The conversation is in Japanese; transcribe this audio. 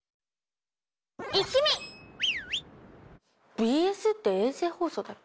ＢＳって衛星放送だっけ？